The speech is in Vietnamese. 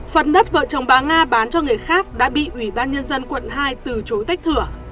phần đất vợ chồng bà nga bán cho người khác đã bị ủy ban nhân dân quận hai từ chối tách thửa